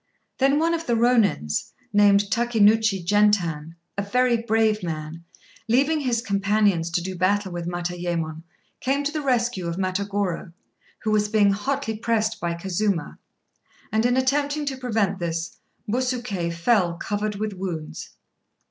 Then one of the Rônins, named Takénouchi Gentan, a very brave man, leaving his companions to do battle with Matayémon, came to the rescue of Matagorô, who was being hotly pressed by Kazuma, and, in attempting to prevent this, Busuké fell covered with wounds.